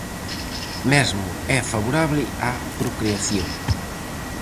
Mesmo é favorable á procreación.